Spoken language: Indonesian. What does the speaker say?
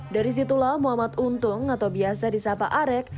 dari situlah muhammad untung atau biasa di sapa arek